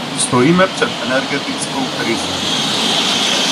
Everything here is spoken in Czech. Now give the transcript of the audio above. Stojíme před energetickou krizí.